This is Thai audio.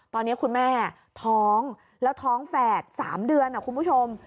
ตอนนี้คุณแม่ท้องแล้วท้องแฝด๓เดือนคุณผู้ชม